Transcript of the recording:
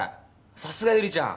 さすがゆりちゃん。